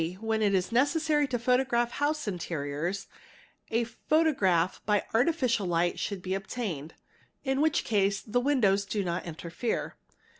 When it is necessary to photograph house interiors, a photo graph by artificial light should be obtained, in which case the windows do not interfere.